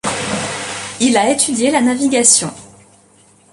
Il a étudié la navigation.